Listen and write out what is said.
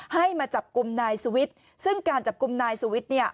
ให้มาจับกลุ่มนายสุวิทย์ซึ่งการจับกลุ่มนายสุวิทย์เนี่ย